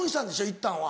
いったんは。